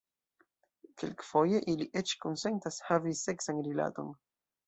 Kelkfoje ili eĉ konsentas havi seksan rilaton.